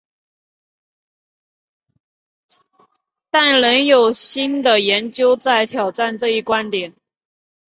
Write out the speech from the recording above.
但仍有新的研究在挑战这一观点。